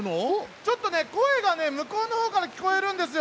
ちょっとね、声が向こうのほうから聞こえるんですよ。